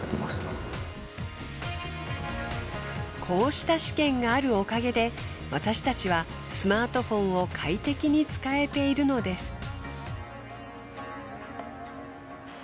こうした試験があるおかげで私たちはスマートフォンを快適に使えているのです。